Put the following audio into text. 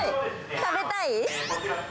食べたい？